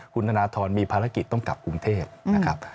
คุณธนทรมีภารกิจต้องกลับกรุงเทพนะครับ